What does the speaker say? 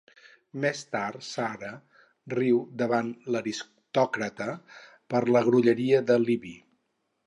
Més tard, Sarah riu davant l'aristòcrata per la grolleria de Libby.